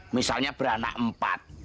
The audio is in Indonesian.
misalnya beranak empat